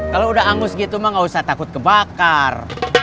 kalau udah hangus gitu mah gak usah takut kebakar